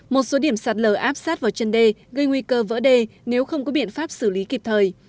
một số điểm sạt lở áp sát vào chân đê gây nguy cơ vỡ đê nếu không có biện pháp xử lý kịp thời